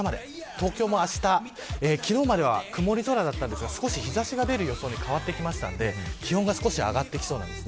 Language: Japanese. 東京もあした、昨日までは曇り空でしたが、日差しが出る予想に変わってきたので気温が少し上がってきそうです。